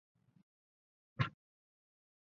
比赛场馆是阿克罗波利斯会议大厦体育馆。